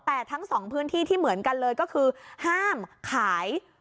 แต่ทั้งสองพื้นที่ที่เหมือนกันเลยก็คือห้ามขาย